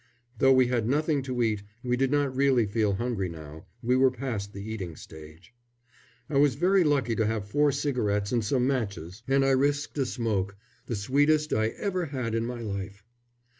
Though we had nothing to eat we did not really feel hungry now we were past the eating stage. I was very lucky in having four cigarettes and some matches and I risked a smoke, the sweetest I ever had in my life.